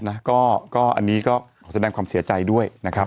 อันนี้ก็ขอแสดงความเสียใจด้วยนะครับ